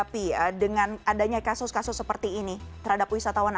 apa yang bisa dihadapi dengan adanya kasus kasus seperti ini terhadap wisatawan asing